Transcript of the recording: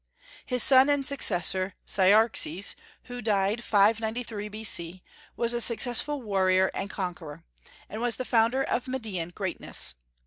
His son and successor Cyaxares, who died 593 B.C., was a successful warrior and conqueror, and was the founder of Median greatness.